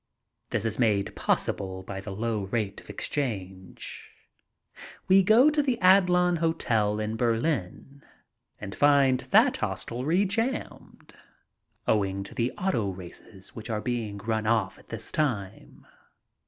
This is made possible by the low rate of exchange. MY VISIT TO GERMANY 115 We go to the Adlon Hotel in Berlin and find that hostelry jammed, owing to the auto races which are being run off at this time.